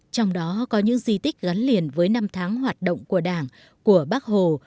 trong đó có những di tích gắn liền với năm tháng hoạt động của đảng của bác hồ